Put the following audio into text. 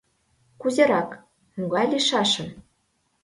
Кузерак, могай лийшашым